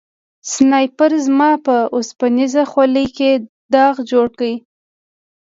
سنایپر زما په اوسپنیزه خولۍ کې داغ جوړ کړ